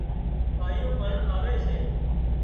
ٻايُون پڻ آوي سي